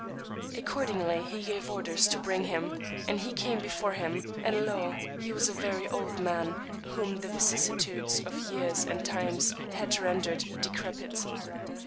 Accordingly he gave orders to bring him, and he came before him; and lo, he was a very old man, whom the vicissitudes of years and times had rendered decrepit.